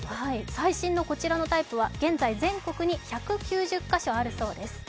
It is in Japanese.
最新のこちらのタイプは現在全国の１９０か所あるそうです。